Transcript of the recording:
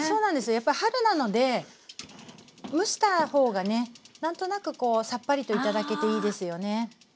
やっぱ春なので蒸した方がね何となくこうさっぱりと頂けていいですよね。